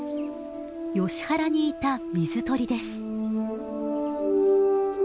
ヨシ原にいた水鳥です。